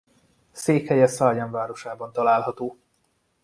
Székhelye Salyan városában található.